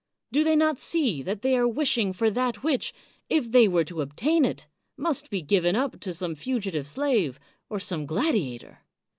Do they not see that they are 124 CICERO wishing for that which, if they were to obtain it, must be given up to some fugitive slave, or to some gladiator?